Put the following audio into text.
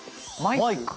マイク？